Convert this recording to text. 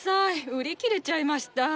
売り切れちゃいました。